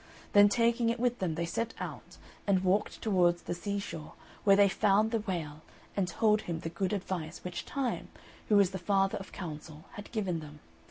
Then taking it with them, they set out, and walked towards the seashore, where they found the whale, and told him the good advice which Time who is the father of counsel had given them.